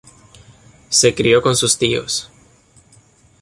Se crio con sus tíos.